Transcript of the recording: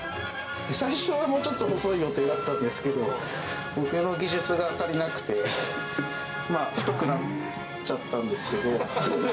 最初はもうちょっと細い予定だったんですけど、僕の技術が足りなくて、太くなっちゃったんですけど。